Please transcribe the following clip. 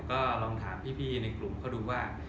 ก็ลองถามพี่ในกลุ่มเขาดูว่า